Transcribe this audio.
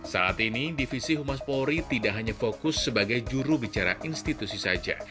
saat ini divisi humas polri tidak hanya fokus sebagai jurubicara institusi saja